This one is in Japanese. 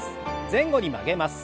前後に曲げます。